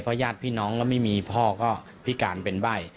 ญาติพี่น้องแล้วไม่มีพ่อก็พิการเป็นใบ้